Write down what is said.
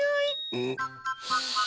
うん。